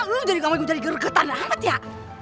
lu jadi gampang jadi geregetan amat ya